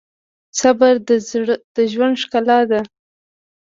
صبر د ژوند ښکلا ده.